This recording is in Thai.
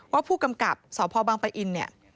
ว่าผู้กำกับสพบังปะอินเนี่ย